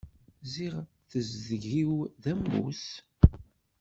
Ziɣ tezdeg-iw d ammus.